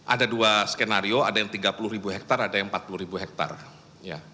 ada dua skenario ada yang tiga puluh ribu hektare ada yang empat puluh ribu hektare